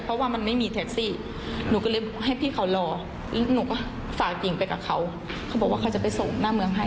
เพราะว่ามันไม่มีแท็กซี่หนูก็เลยให้พี่เขารอแล้วหนูก็ฝากติ่งไปกับเขาเขาบอกว่าเขาจะไปส่งหน้าเมืองให้